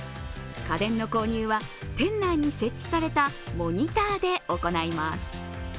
家電の購入は店内に設置されたモニターで行います。